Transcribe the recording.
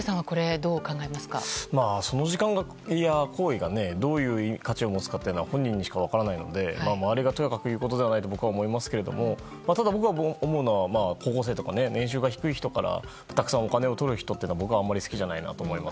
その時間や行為がどういう価値を持つかというのは本人にしか分からないので周りがとやかく言うことではないと僕は思いますがただ僕が思うのは年収が低い人からたくさんお金を取る人は僕はあまり好きじゃないなと思います。